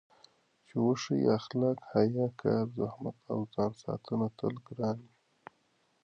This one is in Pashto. چې وښيي اخلاق، حیا، کار، زحمت او ځانساتنه تل ګران وي.